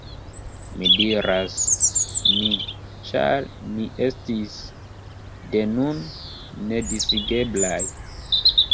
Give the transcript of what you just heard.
Mi diras «ni», ĉar ni estis, de nun, nedisigeblaj.